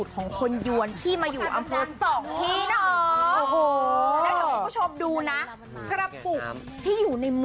คุณผู้ชมค่ะ